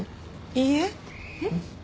いいえ。えっ？